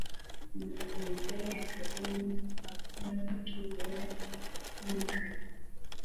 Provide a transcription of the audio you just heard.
Umuntu wambaye akadomo ka polka yera numukara